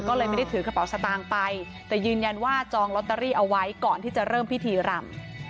ก็เลยไม่ได้ถือกระเป๋าสตางค์ไปแต่ยืนยันว่าจองลอตเตอรี่เอาไว้ก่อนที่จะเริ่มพิธีรำ